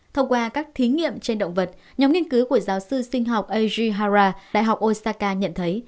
thông qua các thí nghiệm trên động vật nhóm nghiên cứu của giáo sư sinh học ajihara đại học osaka nhận thấy